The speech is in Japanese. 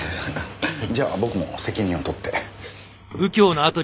じゃあ僕も責任を取って。